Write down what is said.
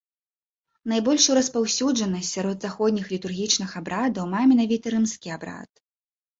Найбольшую распаўсюджанасць сярод заходніх літургічных абрадаў мае менавіта рымскі абрад.